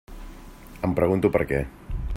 Em pregunto per què.